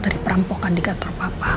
dari perampokan di kantor papa